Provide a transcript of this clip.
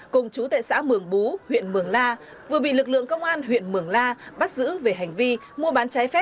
cùng chú tệ xã mường bú huyện mường la vừa bị lực lượng công an huyện mường la bắt giữ về hành vi